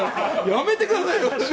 やめてくださいよ。